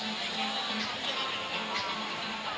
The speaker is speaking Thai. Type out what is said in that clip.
อีกแล้วหรอ